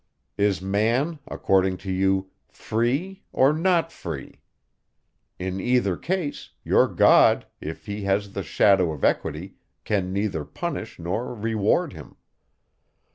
Is man, according to you, free, or not free? In either case, your God, if he has the shadow of equity, can neither punish nor reward him.